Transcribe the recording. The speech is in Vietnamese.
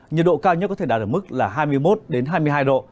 nhiệt độ cao nhất có thể đạt ở mức là hai mươi một hai mươi hai độ